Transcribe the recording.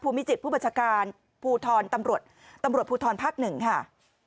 มิจิตผู้บัญชาการภูทรตำรวจตำรวจภูทรภาคหนึ่งค่ะ